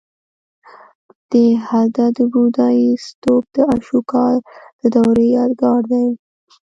د هده د بودایي ستوپ د اشوکا د دورې یادګار دی